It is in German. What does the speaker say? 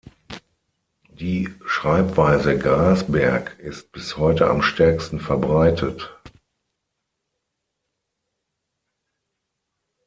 Die Schreibweise Grasberg ist bis heute am stärksten verbreitet.